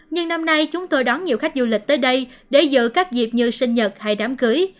nhưng năm nay chúng tôi đón nhiều khách du lịch tới đây để giữ các dịp như sinh nhật hay đám cưới